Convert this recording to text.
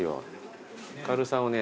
軽さをね。